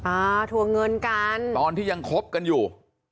อ่าทวงเงินกันตอนที่ยังคบกันอยู่